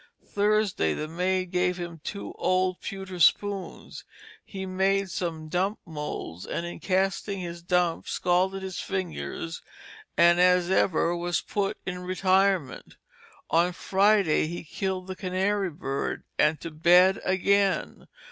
Thursday the maid gave him two old pewter spoons; he made some dump moulds, and in casting his dumps scalded his fingers, and as ever was put in retirement. On Friday he killed the canary bird and to bed again.